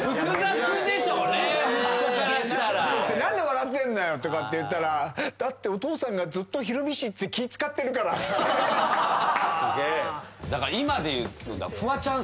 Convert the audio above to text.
何で笑ってんのよとかって言ったら「だってお父さんがずっとヒロミ氏って気ぃ使ってるから」だから。